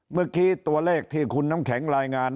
เมื่อกี้ตัวเลขที่คุณน้ำแข็งรายงาน